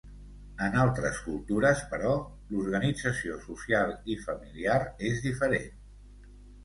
En altres cultures però l'organització social i familiar és diferent.